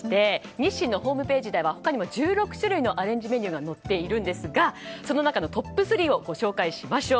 日清のホームページでは他にも１６種類のアレンジメニューが載っているんですがその中のトップ３をご紹介しましょう。